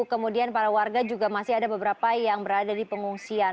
kemudian para warga juga masih ada beberapa yang berada di pengungsian